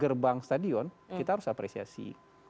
gerbang stadion kita harus apresiasi